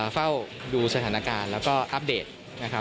เฝ้าดูสถานการณ์แล้วก็อัปเดตนะครับ